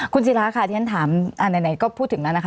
คุณศิราค่ะที่ฉันถามไหนก็พูดถึงแล้วนะคะ